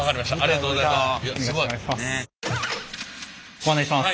ご案内します。